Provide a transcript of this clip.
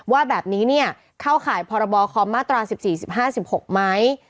ว่าแบบนี้เข้าข่ายพรบคอมมาตรา๑๔๑๕๑๖ไหม